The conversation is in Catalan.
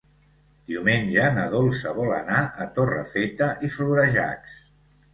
Diumenge na Dolça vol anar a Torrefeta i Florejacs.